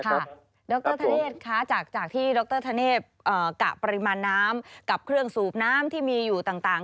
ดรธเนธคะจากที่ดรธเนธกะปริมาณน้ำกับเครื่องสูบน้ำที่มีอยู่ต่าง